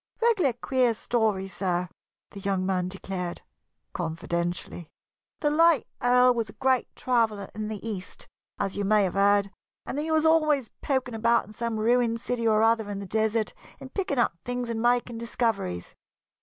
"Regular queer story, sir," the young man declared, confidentially. "The late Earl was a great traveller in the East, as you may have heard, and he was always poking about in some ruined city or other in the desert, and picking up things and making discoveries.